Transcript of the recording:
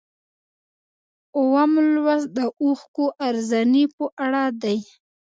اووم لوست د اوښکو ارزاني په اړه دی.